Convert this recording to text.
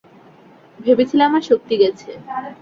ভেবেছিলে আমার শক্তি গেছে।